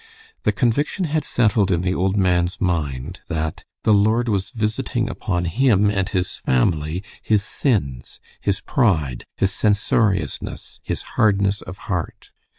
The conviction had settled in the old man's mind that "the Lord was visiting upon him and his family his sins, his pride, his censoriousness, his hardness of heart."